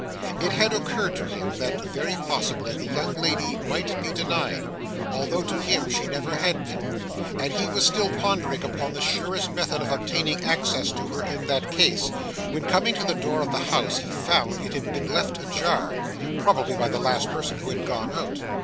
It had occurred to him that, very possibly, the young lady might be denied, although to him she never had been; and he was still pondering upon the surest method of obtaining access to her in that case, when, coming to the door of the house, he found it had been left ajar probably by the last person who had gone out.